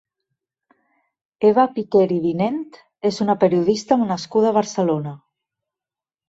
Eva Piquer i Vinent és una periodista nascuda a Barcelona.